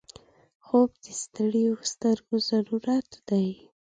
خوب د ستړیو سترګو ضرورت دی